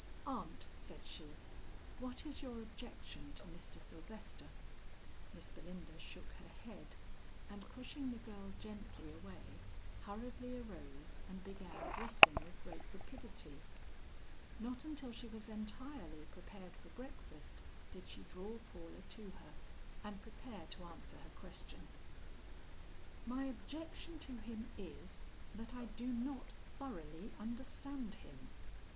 "Aunt," said she, "what is your objection to Mr. Sylvester?" Miss Belinda shook her head, and pushing the girl gently away, hurriedly arose and began dressing with great rapidity. Not until she was entirely prepared for breakfast did she draw Paula to her, and prepare to answer her question. "My objection to him is, that I do not thoroughly understand him.